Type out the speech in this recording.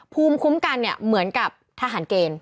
ภูมิคุ้มกันเนี่ยเหมือนกับทหารเกณฑ์